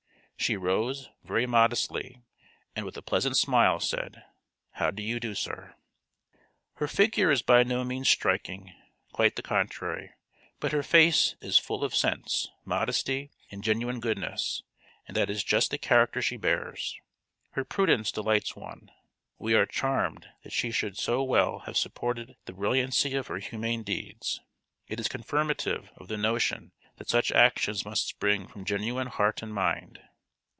She rose, very modestly, and with a pleasant smile said: 'How do you do, sir?' "Her figure is by no means striking quite the contrary; but her face it full of sense, modesty and genuine goodness; and that is just the character she bears. Her prudence delights one. We are charmed that she should so well have supported the brilliancy of her humane deeds. It is confirmative of the notion that such actions must spring from genuine heart and mind."